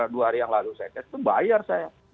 dua hari yang lalu saya tes itu bayar saya